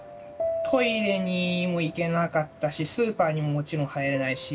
トイレにも行けなかったしスーパーにももちろん入れないし。